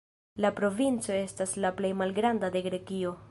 La provinco estas la plej malgranda de Grekio.